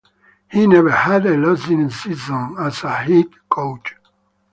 He never had a losing season as a head coach.